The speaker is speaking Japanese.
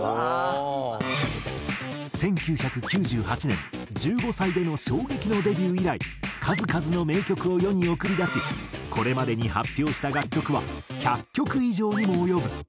１９９８年１５歳での衝撃のデビュー以来数々の名曲を世に送り出しこれまでに発表した楽曲は１００曲以上にも及ぶ。